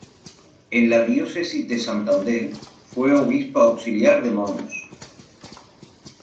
En la diócesis de Santander fue Obispo Auxiliar de Mons.